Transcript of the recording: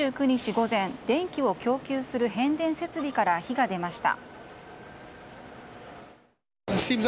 午前電気を供給する変電設備から火が出ました。